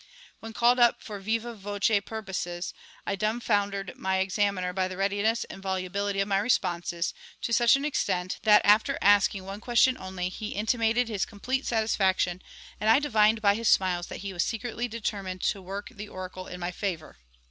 When called up for vivâ voce purposes, I dumb foundered my examiner by the readiness and volubility of my responses, to such an extent that, after asking one question only, he intimated his complete satisfaction, and I divined by his smiles that he was secretly determined to work the oracle in my favour.